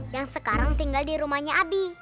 yang sekarang tinggal di rumahnya adi